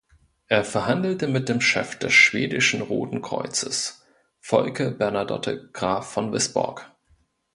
Er verhandelte mit dem Chef des schwedischen Roten Kreuzes, Folke Bernadotte Graf von Wisborg.